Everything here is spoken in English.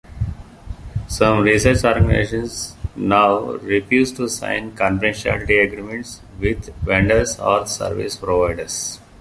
Some research organizations now refuse to sign confidentiality agreements with vendors or service providers.